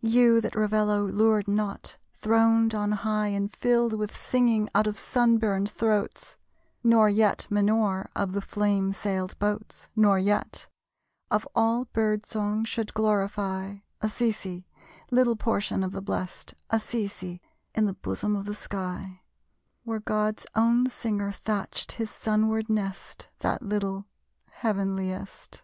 You, that Ravello lured not, throned on high And filled with singing out of sun burned throats! Nor yet Minore of the flame sailed boats; Nor yet of all bird song should glorify Assisi, Little Portion of the blest, Assisi, in the bosom of the sky, Where God's own singer thatched his sunward nest; That little, heavenliest!